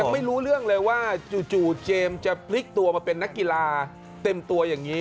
มาเล่นไตกีฬาอย่างนี้